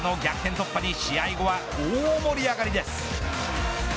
突破に試合後は、大盛り上がりです。